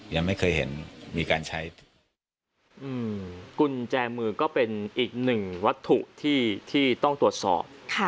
ยังไม่เคยเห็นมีการใช้กุญแจมือก็เป็นอีกหนึ่งวัตถุที่ต้องตรวจสอบ